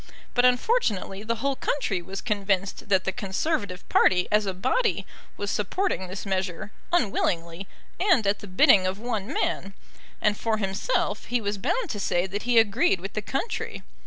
But unfortunately the whole country was convinced that the Conservative party as a body was supporting this measure, unwillingly, and at the bidding of one man; and, for himself, he was bound to say that he agreed with the country.